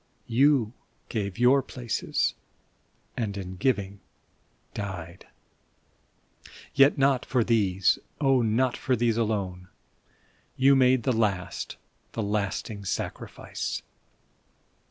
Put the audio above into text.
You gave your places, and in giving died ! Yet not for these, oh, not for these alone. You made the last, the lasting sacrifice